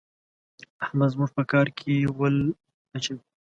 احمد زموږ په کار کې ول اچوي.